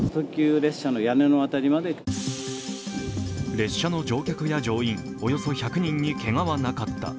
列車の乗客や乗員およそ１００人にけがはなかった。